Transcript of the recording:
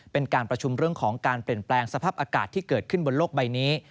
เป็นการประชุมเรื่องของการเปลี่ยนแปลงสภาพอากาศที่เกิดขึ้นบนโลกใบนี้